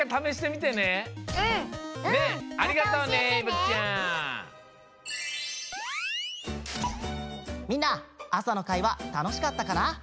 みんな朝の会はたのしかったかな？